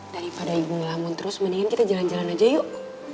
daripada ibu bangun terus mendingan kita jalan jalan aja yuk